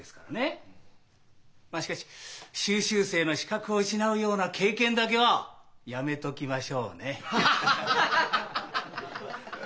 まっしかし修習生の資格を失うような経験だけはやめときましょうね。